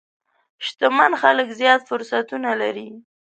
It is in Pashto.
شتمن خلک زیات فرصتونه لري.